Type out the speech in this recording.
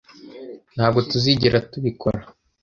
Ntabwo tuzigera tubikora.